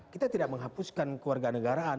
kita tidak menghapuskan keluarga negaraan